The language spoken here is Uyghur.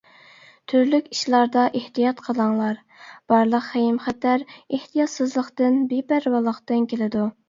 تۈرلۈك ئىشلاردا ئېھتىيات قىلىڭلار، بارلىق خېيىم-خەتەر ئېھتىياتسىزلىقتىن، بىپەرۋالىقتىن كېلىدۇ.